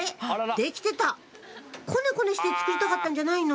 出来てたこねこねして作りたかったんじゃないの？